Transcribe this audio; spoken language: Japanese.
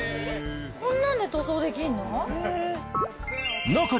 こんなんで塗装できんの？